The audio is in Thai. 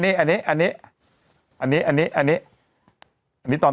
เป็นการกระตุ้นการไหลเวียนของเลือด